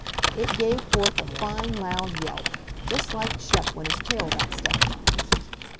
It gave forth a fine loud yelp, just like Shep when his tail got stepped on.